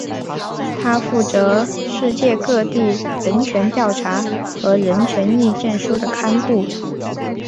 它负责世界各地人权调查和人权意见书的刊布。